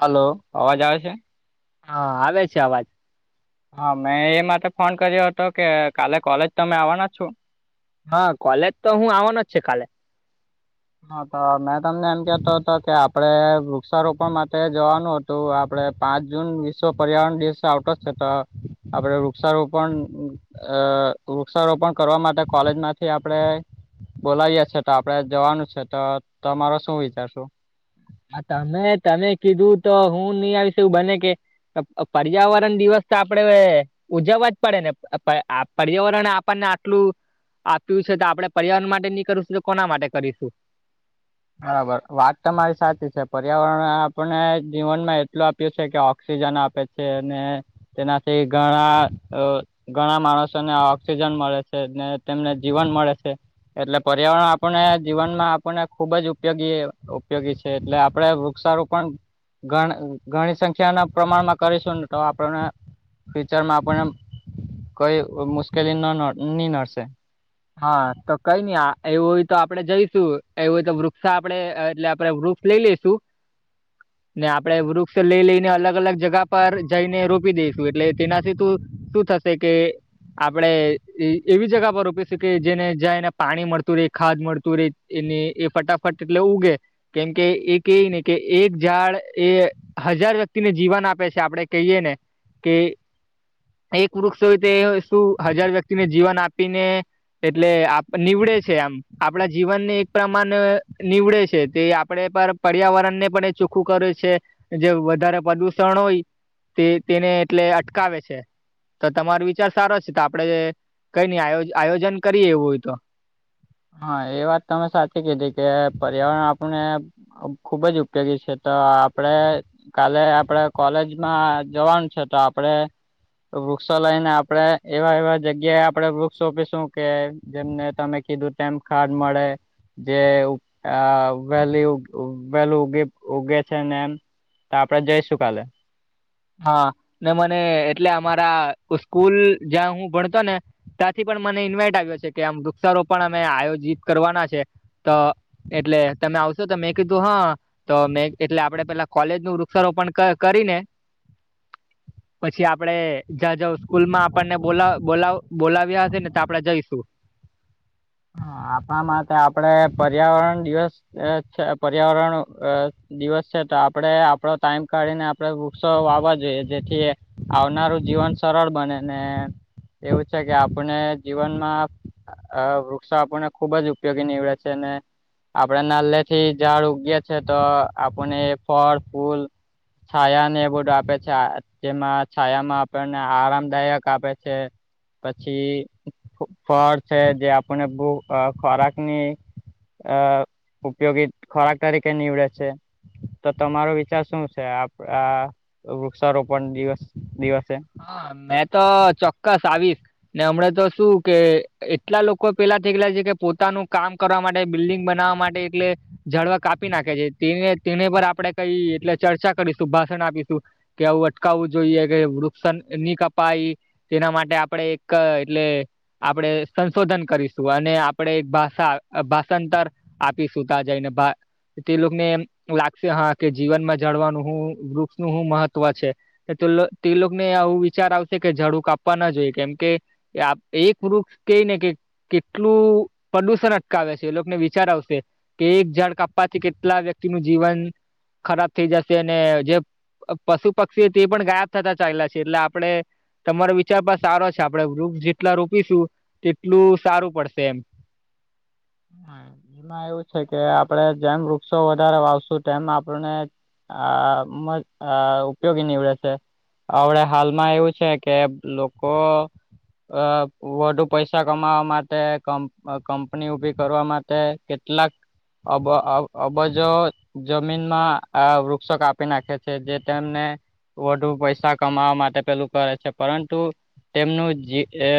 Hello, અવાજ આવે છે? હા, આવે છે અવાજ. હા મેં એ માટે ફોન કર્યો હતો કે કાલે કોલેજ તમે આવવાના છો, હા કોલેજ તો હું આવવાનો જ છે કાલે, હા તો મેં તમને એમ કેતો હતો કે આપડે વૃક્ષારોપણ માટે જવાનું હતું ત આપડે પાંચ જૂન વિશ્વ પર્યાવરણ દિવસ આવતો જ છે તો, આપડે વૃક્ષારોપણ, અ વૃક્ષારોપણ કરવા માટે કોલેજ માંથી આપણે, બોલાવીએ છે તો આપડે જવાનું છે તો તમારો શું વિચારશું, આ તમે તમે કીધું તો હું નહી આવીશે એવું બને કે, અ પર્યાવરણ દિવસ તો આપડે, ઉજવવા જ પડે આ પર્યાવરણને આપણને આટલું, આપ્યું છે, તો આપડણે પર્યાવરણ માટે નની કરશું તો કોના માટે કરીશું. બરાબર વાત તમારી સાચી છે પર્યાવરણ આપણે જીવનમાં એટલ આપ છે કે ઓક્સિજન આપે છે અને તેનાથી ઘણા, અ ઘણા માણસોને ઓક્સિજન મળે છે ને તેમને જીવન મળે છે. એટલે પર્યાવરણ આપણને જીવન માં આપને, ખુબ જ ઉપયોગી ઉપયોગી છે એટલે આપડે વૃક્ષારોપણ, ઘ ઘણી સંખ્યા ના પ્રમાણમાં કરીશું ને તો આપણને, ફ્યુચરમાં આપણને કઈ મુશ્કેલી ન ની નડશે. હા તો કઈ નઈ એવું હોય તો આપડે જઈશું એવું હોય તો વૃક્ષ આપડે એટલે આપડે વૃક્ષ લઈ લઈેશું. [inaudible] ને આપડે વૃક્ષ લઈ લઈને અલગ અલગ જગા પર જઈને રોપી દઈશું એટલે તેનાથી શું, શું થશે કે આપડે એવી જગા પર રોપિ કે જેને જાય એને પાણી મળતું રે ખાદ મળતું રે એને એ ફટાફટ એટલે ઉગે, કેમ કે એ કવી ને કે એક ઝાડ એ હજાર વ્યક્તિને જીવન આપે છે આપડે કહીયએ ને કે, એક વૃક્ષ હોય તે શું હજાર વ્યક્તિને જીવન આપીને, એટલે આપ નીવડે છે આમ આપણા જીવનને એક પ્રમાણે નીવડે છે તે આપડે પર પર્યાવરણ ને પણ એ ચોખ્ખું કરે છે જે વધારે પ્રદુષણ હોય, તે તેને એટલે અટકાવે છે. તો તમારો વિચાર સારો છે તો આપડે કઈ નઈ આ આયોજન કરીએ એવું હોય તો. હા એ વાત તમે સાચી કીધી કે પર્યાવરણ આપને, ખુબ જ ઉપયોગી છે તો આપડે, કાલે આપડે કોલેજમાં જવાનું છે તો આપડે, તો વૃક્ષો લઈને આપડે એવા એવા જગ્યાએ આપડે વૃક્ષ રોપીશું કે, જેમને તમે કીધું તેમમ ખાદ મળે. જે વહેલી વહેલીગ ઉગે છે ને એમ, તો આપડે જઈશું કાલે. હા ને મને એટલે અમારા સ્કૂલ જ્યાં હું ભણતો ને, ત્યાંથી પણ મને ઇન્વાઈટ આવ્યો છે કે આમ વૃક્ષારોપણ અમે આયોજિત કરવાના છે તો, એટલે તમે આવશો ત મેં કીધું હા, તો મેં એટલે આપડે પેલા કોલેજ નું વૃક્ષારોપણ ક કરીને, પછી આપડે જ્યાં જં સ્કૂલ માં આપણને બોલા બોલા બોલાવ્યા હશે ને તો આપડે જઈશું. હ આપ માટે આપડે પર્યાવરણ દિવસ છે પર્યાવરણ અ દિવસ છે તો આપડે આપડો ટાઈમ કાઢીને આપડે વૃક્ષો વાવા જોઈએ જેથી, આવનારું જીવન સરળ બને ને એવું છે કે આપણે જીવનમાં આ વૃક્ષો આપણને ખુબ જ ઉપયોગી નીવડે છે ને આપડે નાનલે થી ઝાડ ઉગીયી છે તો આપને ફળ, ફૂલ છાયા ને એ બધું આપે છે જેમાં છાયામાં આપણને આરામદાયક આપે છે. પછી ફળ છે જે આપને બહ ખોરાકની અ ઉપયોગી ખોરાક તરીકે નીવડે છે. તો તમારો વિચાર શું છે આ આપ વૃક્ષારોપણ દિવસ દિવસે? હા મેં તો ચોક્કસ આવીશ. ને હમણાં તો શું કે એટલા લોકો પેલા થઈ ગેલા છે કે પોતાનું કામ કરવા માટે, બિલ્ડિંગ બનાવવા માટે એટલે ઝાડવા કાપી નાખે છે તેને તેને પર આપણે કઈ એટલે ચર્ચા કરીશું, ભાષણ આપીશું. કે આવું અટકાવવું જોઈએ કે વૃ સન ની કપાઈ તેના માટે આપડે એક એટલે આપણેે સંશોધન કરીશું અને આપણે એક ભાષા ભાષાંતર આપી સુતા જઈને ભા તે લોકોને એમ લાગશે હા કે જીવનમાં જળવાનું હું વૃક્ષનું હું મહત્વ છે. તે તેલો, તે લોક ને આવું વિચાર આવશે કે ઝડું કાપવા ના જોઈએ કેમ કે એક વૃક્ષ કેય ને કે કેટલું પ્રદુષણ અટકાવે છે એ લોકોને વિચાર આવશે. કે એક ઝાડ કાપવાથી કેટલા વ્યક્તિ નું જીવન ખરાબ થઈ જાશે અને જે પશુ પક્ષી તે પણ ગાયબ થતા ચાઈલા છે એટલે આપડે તમારો વિચાર પર સારો છે આપડે વૃક્ષ જેટલા રોપીશું તેટલું સારું પડશે એમ. હા એમાં એવું છે કે આપડે જેમ વૃક્ષો વધારે વાવશુ તેમ આપણને આ અ ઉપયોગી નીવડે છે. આવડે હાલમાં એવું છે કે લોકો અ વધુ પૈસા કમાવા માટે કં કંપની ઉભી કરવા માટે કેટલાક અ બ અબજો જમીનમાં આ વૃક્ષો કાપી નાખે છે જે તેમને વધુ પૈસા કમાવા માટે પેલું કરે છે. પરંતુ તેમનું જે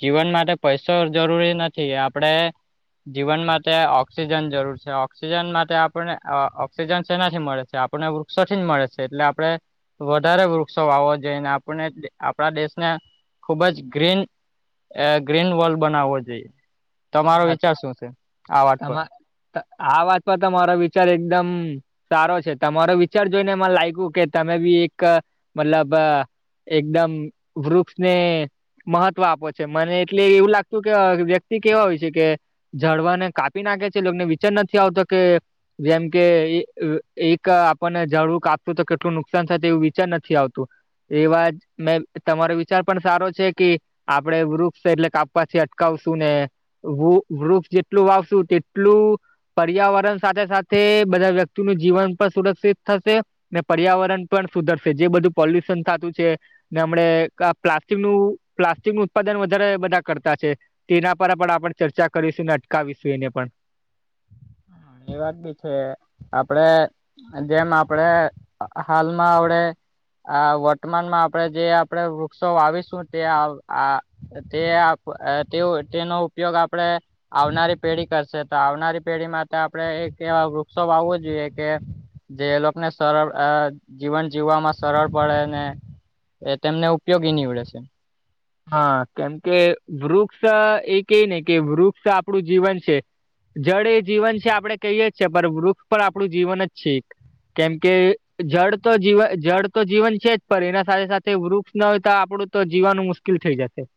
જીવન માટે પૈસો જરૂરી નથી. આપડે જીવન માટે ઓક્સિજન જરૂર છે, ઓક્સિજન માટે આપને ઓ ઓક્સિજન સેનાથી મળે સે આપણને વૃક્ષ ક્ષોથી જ મળે છે એટલે આપણે વધારે વૃક્ષો વાવો જોઈને આપને આપણા દેશને ખુબ જ ગ્રીન એ ગ્રીન વોલ બનાવવો જોઈએ. તમારો હા વિચાર શું છે આ વાત પર? તમા આ વાત પર તમારા વિચાર એકદમ સારો છે, તમારો વિચાર જોઈને એમાં લાઈગુ કે તમે બી એક મતલબ એકદમ વૃક્ષને મહત્વ આપો છે મને એટલે એવું લાગતું કે વ્યક્તિ કેવા હોય કે જાડવાને કાપી નાખે છે લોક ને વિચાર નથી આવતો કે જેમ કે એક આપણને ઝાડવુ કાપ્યુ તો કેટલું નુકસાન થાય એવું વિચાર નથી આવતું. એવા જ મેં તમારો વિચાર પણ સારો છે કે આપડે વૃક્ષ એટલે કાપવાથી અટકાવશું ને વુ વૃક્ષ જેટલું વાવશું તેટલું પર્યાવરણ સાથે સાથે બધા વ્યક્તિનું જીવન પણ સુરક્ષિત થશે ને પર્યાવરણ પણ સુધરશે. જે બધું પોલ્યુશન થાતું છે. ને હમણે કા પ્લાસ્ટિક નું પ્લાસ્ટિક નું ઉત્પાદન વધારે બધા કરતા છે. તેના પર પણ આપણે ચર્ચા કરીશું, અને અટકાવીશું એને પણ. એ વાત બી છે. આપણે અન જેમ આપણે હાલમાં આવડે આ વર્તમાનમાં આપણેે જે આપણેે વૃક્ષો વાવીશું તે આવ આ તે આપ તેઓ તેનો ઉપયોગ આપણે આવનારી પેઢી કરશે, તો આવનારી પેઢીમાં તો આપણે એક એવા વૃક્ષો વાવવું જોઈએ કે જે એ લોકને સરળ અહ જીવન જીવવામાં સરળ પડે ને એ તેમને ઉપયોગી નીવડે સે. હા. કેમ કે વૃક્ષ એ કેઈ ને કે વૃક્ષ આપણું જીવન છે જળ એ જીવન છે આપણે કહીએે છે, પણ વૃક્ષ પણ આપણું જીવન જ છે એક. કેમ કે, જળ તો જીવ, જળ તો જીવન છે જ, પણ એના સાથે-સાથે વૃક્ષ ન હોય તો આપણું તો જીવાવાનું મુશ્કિલ થઈ જશે.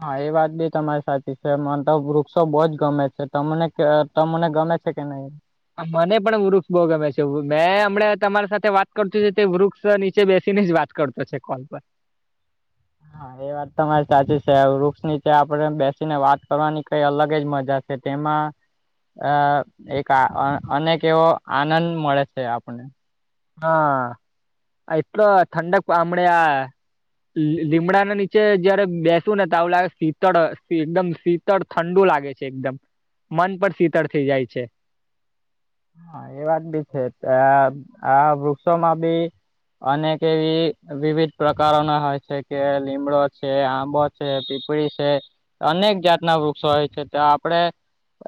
હા એ વાત બી તમારી સાચી છે. મન તો વૃક્ષો બહુ જ ગમે છે. તમને [unintelligible] તો તમને ગમે છે કે નહીં? હા મને પણ વૃક્ષ બહુ ગમે છે. મેં હમણે તમારી સાથે વાત કરતી તી તે વૃક્ષ નીચે બેસી ને જ વાત કર તો છે કોલ પર. હા એ વાત તમારી સાચી છે. વૃક્ષ નીચે આપણે બેસીને વાત કરવાની કંઈ અલગ જ મજા કે તેમાં અહ એક આ અ અનેક એવો આનંદ મળે છે આપને. હા. એટલો ઠંડક હમણે આ લી લીમડાના નીચે જયારે બેસુ ને તો આવું લાગે શીતળ શી એકદમ શી તળ ઠંડુ લાગે છે એકદમ. મન પણ શીતળ થઈ જાય છે. હા એ વાત બી છે. આ-આ વૃક્ષોમાં બી અનેક એવી વિવિધ પ્રકારો ના હોય છે, કે લીમડો છે, આંબો છે, પીપ ળી સે. અનેક જાતના વૃક્ષો હોય છે, તો આપણે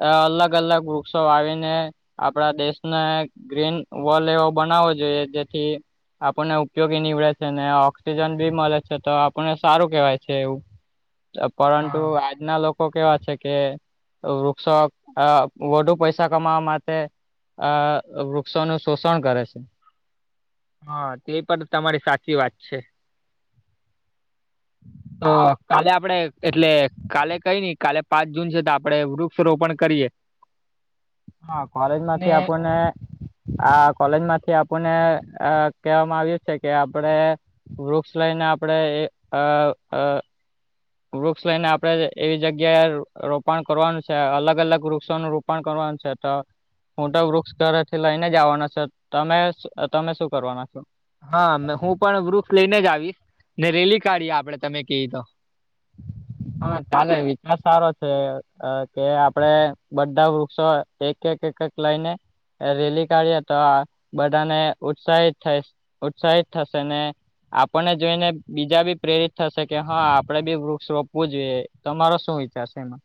અહ અલગ-અલગ વૃક્ષો આવીને આપણાં દેશને ગ્રીન વલ્ડ એવો બનાવવો જોઈએ, જેથી આપણને ઉપયોગી નીવડે છે, ને ઓક્સિજન બી મલે છે તો આપણને સારું કહેવાય છે એવું. તો પરંતુ હા આજ ના લોકો કેવા છે કે વૃક્ષો અહ વધુ પૈસા કમાવવા માટ ટે અહ વૃક્ષોનું શોષણ કરે છે. હા, તે પણ તમારી સાચી વાત છે. તો કાલે આપણે એટલે કાલે કંઈ નહીં, કાલે પાંચ જૂન છે તો આપણેે વૃક્ષ રોપણ કરીએ હા. કોલેજ ને માંથી આપણને આ કોલેજ માંથી આપણને અહ કહેવામાં આવ્યું છે કે આપણે વૃક્ષ લઈને આપણે એ અહ-અહ વૃક્ષ લઈને આપણે એવી જગ્યાએ રોપણ કરવાનું છે. અલગ-અલગ વૃક્ષોનું રોપ પણ કરવાનું છે. તો હું તો વૃક્ષ ઘરેથી લઈને જ આવવાનો છું. તમે શ તમે શું કરવાના છો? હા. ને હું પણ વૃક્ષ લઈને જ આવીશ. ને રેલી કાઢીએ આપણે તમે કેઈ તો. હા ચાલે. વિચાર સારો છે અહ કે આપણે બધા વૃક્ષો એક-એક-એક-એક લઈને રેલી કાઢીએ તો આ બધાને ઉત્સાહિત થાય ઉત્સાહિત થશે ને આપણને જોઈને બીજા બી પ્રેરિત થશે કે હા આપણે બી વૃક્ષો પવું જોઈએ તમારો શું વિચાર છે એમાં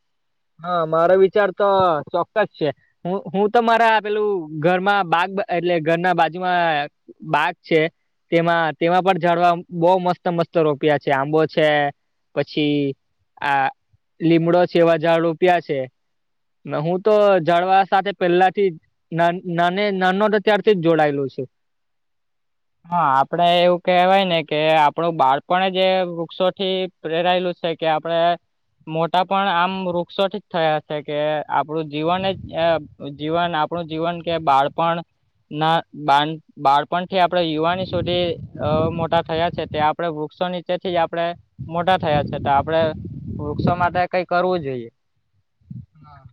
હા મારો વિચાર તો ચોક્કસ છે. હ હું તો મારા પેલું ઘરમાં બાગ એટલે ઘરના બાજુમાં બાગ છે. તેમાં તેમાં પણ ઝાડવા બહ મસ્ત મસ્ત રોપ્યા છે આંબો છે. પછી આ લીમડો છે એવા ઝાડ રોપ્યા છે. ન હું તો ઝાડવા સાથે પેલાથી જ ના નાને નાનો ત્યારથી જ જોડાયેલો છુ. હા આપણે એવું કેહેવાય ને કે આપણું બાળપણ જે વૃક્ષોથી પ્રેરાયેલું છે કે આપણે મોટા પણ આમ વૃક્ષોથી જ થયા છે કે આપણું જીવન જ જીવન આપણું જીવન કે બાળપણ ના બાળ બાળપણથી આપણે યુવાની સુધી અ મોટા થયા છે તે આપણે વૃક્ષો નીચેથી જ આપણેે મોટા થયા છે તો આપણે વૃક્ષો માટે કઈ કરવું જોઈએ. હા.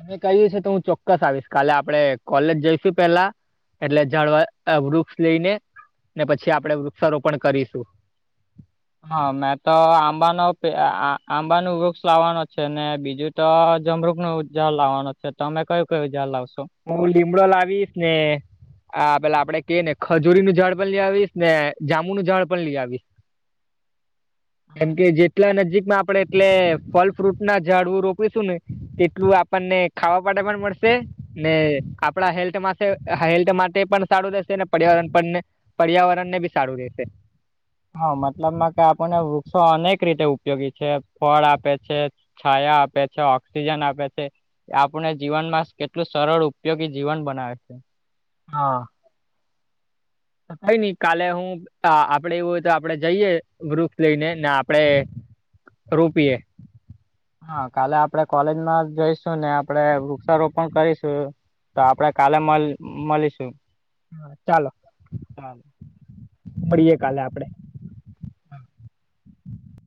તમે કહ્યું છે તો હું ચોક્કસ આવીશ કાલે આપણે કોલેજ જઈશું પેલા એટલે ઝાડવા વૃક્ષ લઈને ને પછી આપણે વૃક્ષારોપણ કરીશું. હા મેં તો આંબાનો આ આંબાનો વૃક્ષ લાવવાનો છે ને બીજું તો જમરૂકનો ઝાડ લાવવાનું છે તમે કયું કયું ઝાડ લાવશો. તો હું લીમડો લાવીશ ને આ પેલા આપણે કે ને ખજૂરીનું ઝાડ પણ લઈ આવીશ ને જાંબુનું ઝાડ પણ લઈ આવીશ. કેમ હા કે એ જેટલા નજીકમાં આપણેે એટલે ફલ ફ્રૂટના ઝાડવું રોપીશું ને એટલું આપણને ખાવા માટે પણ મળશે. ને આપણા હેલ્થ માટે હેલ્થ માટે પણ સારું રહેશેને, પર્યાવરણ માટે પણને પર્યાવરણને બી સારું રહેેશે. હા મતલબમાં કે આપણને વૃક્ષો અનેક રીતે ઉપયોગી છે, ફળ આપે છે. છાયા આપે છે, ઓક્સિજન આપે છે. આપણે જીવનમાં કેટલું સરળ ઉપયોગી જીવન બનાવે છે. હા. કાય નઈ કાલે હું હા આપણે એવું હોય તો આપણે જઈએ વૃક્ષ લઈને, ને આપણે રોપીએ. હા કાલે આપણે કોલેજમાં જઈશું, ને આપણે વૃક્ષારોપણ કરીશું. તો આપણે કાલે મલ મળીશું. ચાલો- ચાલ મળીયે કાલે આપણે. [unintelligible]